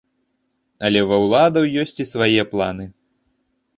Але ва ўладаў ёсць і свае планы.